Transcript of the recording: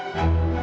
aku mau jalan